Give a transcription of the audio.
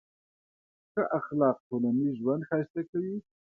ښه اخلاق ټولنیز ژوند ښایسته کوي.